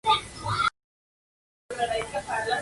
How Does That Grab You?